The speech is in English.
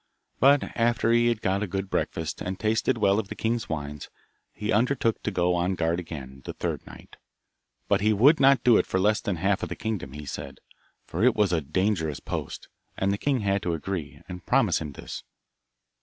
But after he had got a good breakfast, and tasted well of the king's wines, he undertook to go on guard again the third night, but he would not do it for less than the half of the kingdom, he said, for it was a dangerous post, and the king had to agree, and promise him this.